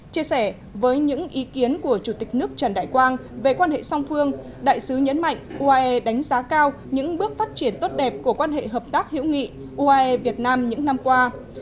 chia sẻ với những ý kiến của chủ tịch nước trần đại quang về quan hệ song phương đại sứ nhấn mạnh uae đánh giá cao những bước phát triển tốt đẹp của quan hệ hợp tác hữu nghị uae việt nam những năm qua